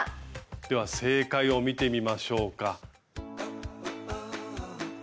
では正解を見てみましょうか。